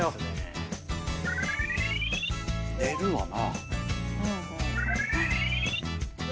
寝るわな。